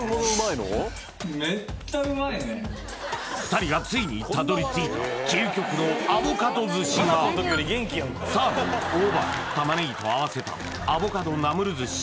２人がついにたどり着いた究極のアボカド寿司がサーモン大葉玉ねぎと合わせたアボカドナムル寿司